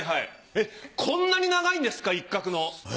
こんなに長いんですかイッカクの。